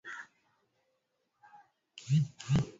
waooh haha rafiki yangu mpendwa victor